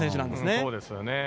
そうですよね。